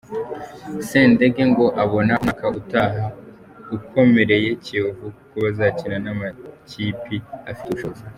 Sendege ngo abona umwaka utaha ukomereye Kiyovu kuko bazakina n’amakipi afite ubushobozi.